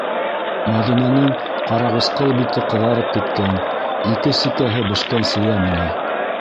Мәҙинәнең ҡарағусҡыл бите ҡыҙарып киткән, ике сикәһе бешкән сейәме ни!